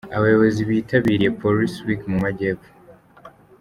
Abayobozi bitabiriye Police week mu Majyepfo.